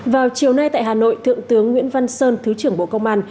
vào chiều nay tại hà nội thượng tướng nguyễn văn sơn thứ trưởng bộ công an